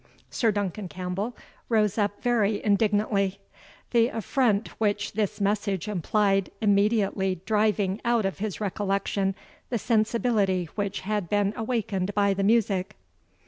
Sir Duncan Campbell rose up very indignantly; the affront which this message implied immediately driving out of his recollection the sensibility which had been awakened by the music.